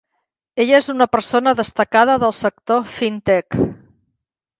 Ella és una persona destacada del sector Fintech.